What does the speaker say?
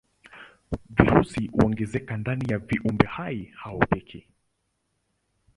Virusi huongezeka ndani ya viumbehai hao pekee.